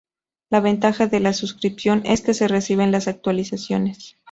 La ventaja de la suscripción es que se reciben las actualizaciones.